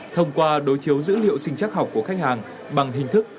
thông qua đối chiếu dữ liệu sinh chắc học của khách hàng bằng hình thức